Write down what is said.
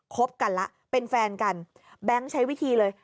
บกันละเป็นแฟนกันแบงค์ใช้วิธีเลย